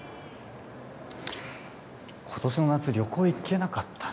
ことしの夏、旅行、行けなかったな。